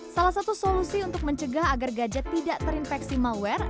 salah satu solusi untuk mencegah agar gadget tidak terinfeksi malware